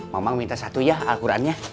mak mang minta satu ya alquran nya